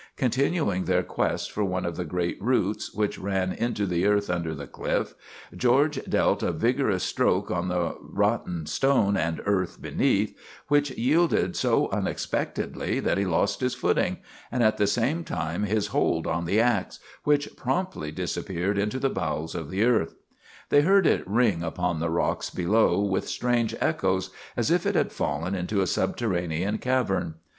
Continuing their quest for one of the great roots which ran into the earth under the cliff, George dealt a vigorous stroke on the rotten stone and earth behind, which yielded so unexpectedly that he lost his footing, and at the same time his hold on the ax, which promptly disappeared into the bowels of the earth. They heard it ring upon the rocks below with strange echoes, as if it had fallen into a subterraneous cavern.